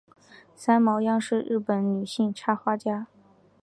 三毛央是日本女性插画家。